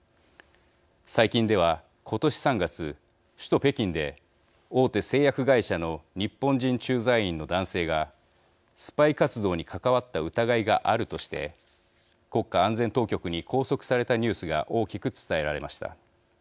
最近では今年３月首都北京で大手製薬会社の日本人駐在員の男性がスパイ活動に関わった疑いがあるとして国家安全当局に拘束されたニュースが大きく伝えられました。